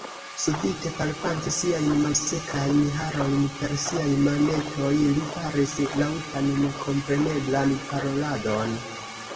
Subite palpante siajn malsekajn harojn per siaj manetoj, li faris laŭtan, nekompreneblan paroladon.